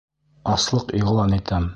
Аслыҡ иғлан итәм!